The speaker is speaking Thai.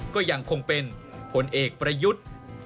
ก็ยังคงเป็นผลเอกประยุทธ์